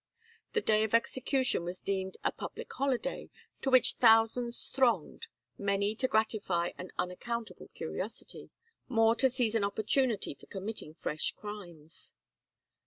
The day of execution was deemed a public holiday to which thousands thronged, many to gratify an unaccountable curiosity, more to seize an opportunity for committing fresh crimes.